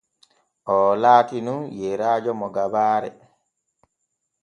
Oo laati nun yeyrajo mo gabaare.